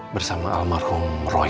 bersama almarhum roy